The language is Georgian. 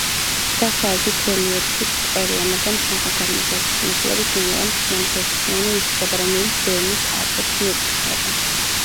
დასავლეთით, რელიეფი ბრტყელია, მაგრამ სამხრეთ-აღმოსავლეთის მიმართულებით ნელ-ნელა მთიან ბორცვიან იზრდება, რომელიც ბერნის ალპებს მიეკუთვნება.